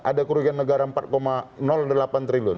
ada kerugian negara empat delapan triliun